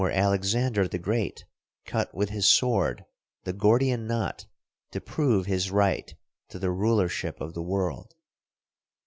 Alexander the Great cut with his sword the Gordian knot to prove his right to the rulership of the world.